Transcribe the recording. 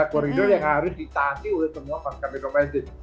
koridor yang harus ditahani oleh semua mas kppi domestik